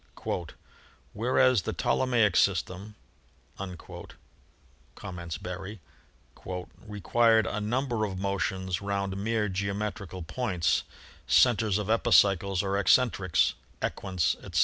"Whereas the Ptolemaic system," com ments Berry, "required a number of motions round mere geometrical points, centers of epicycles or eccentrics, equants, etc.